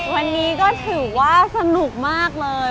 วันนี้ก็ถือว่าสนุกมากเลย